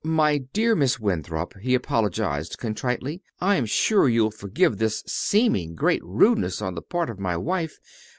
"My dear Miss Winthrop," he apologized contritely, "I'm sure you'll forgive this seeming great rudeness on the part of my wife.